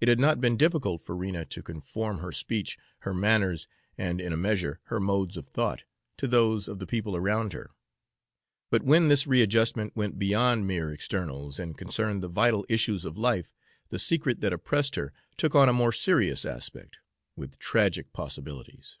It had not been difficult for Rena to conform her speech, her manners, and in a measure her modes of thought, to those of the people around her; but when this readjustment went beyond mere externals and concerned the vital issues of life, the secret that oppressed her took on a more serious aspect, with tragic possibilities.